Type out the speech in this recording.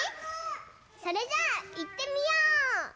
それじゃあいってみよう！